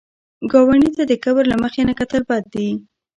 ګاونډي ته د کبر له مخې نه کتل بد دي